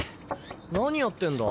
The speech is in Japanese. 何やってんだ？